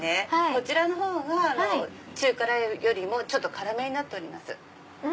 こちらのほうが中辛よりもちょっと辛めになっております。